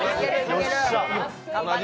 よっしゃ。